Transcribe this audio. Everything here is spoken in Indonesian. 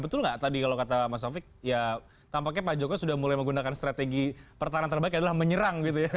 betul nggak tadi kalau kata mas taufik ya tampaknya pak jokowi sudah mulai menggunakan strategi pertahanan terbaik adalah menyerang gitu ya